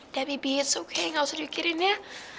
udah bibi it's okay gak usah dikirin ya